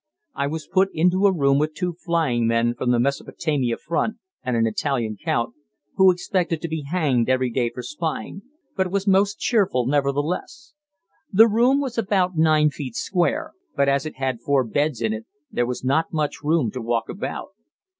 I was put into a room with two flying men from the Mesopotamia front and an Italian count, who expected to be hanged every day for spying, but was most cheerful nevertheless. The room was about 9 feet square, but as it had four beds in it, there was not much room to walk about.